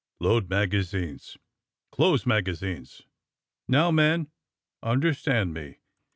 Load magazines. Close magazines. Now, men, un derstand me.